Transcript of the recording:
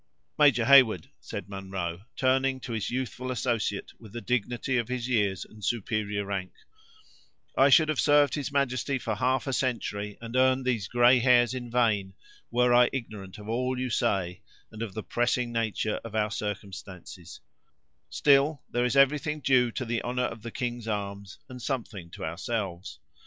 "Major Heyward," said Munro, turning to his youthful associate with the dignity of his years and superior rank; "I should have served his majesty for half a century, and earned these gray hairs in vain, were I ignorant of all you say, and of the pressing nature of our circumstances; still, there is everything due to the honor of the king's arms, and something to ourselves.